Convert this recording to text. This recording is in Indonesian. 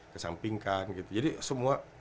kesampingkan gitu jadi semua